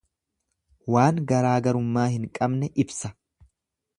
Waan garaagarummaa hin qabne ibsa.